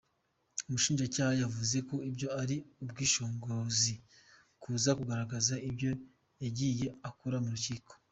Umushinjacyaha yavuze ko ibyo ari ubwishongozi kuza kugaragaza ibyo yagiye akora mu rukiko.